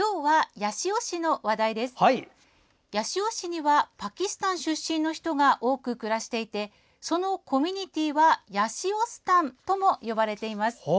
八潮市にはパキスタン出身の人が多く暮らしていてそのコミュニティーはヤシオスタンとも呼ばれています。